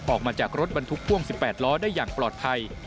ออกมาจากรถบรรทุกพ่วง๑๘ล้อได้อย่างปลอดภัย